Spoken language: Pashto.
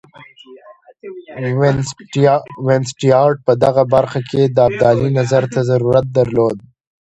وینسیټارټ په دغه برخه کې د ابدالي نظر ته ضرورت درلود.